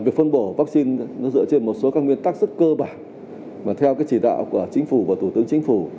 việc phân bổ vaccine dựa trên một số các nguyên tắc rất cơ bản theo chỉ đạo của chính phủ và thủ tướng chính phủ